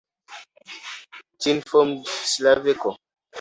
Chinn formed Slaveco.